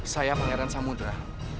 saya pangeran samudra